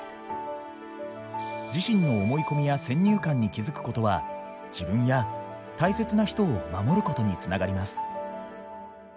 自身の思い込みや先入観に気付くことは自分や大切な人を守ることに繋がります。